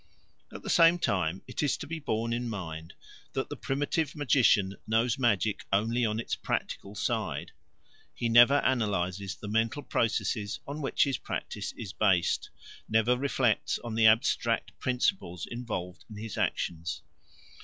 At the same time it is to be borne in mind that the primitive magician knows magic only on its practical side; he never analyses the mental processes on which his practice is based, never reflects on the abstract principles involved in his actions.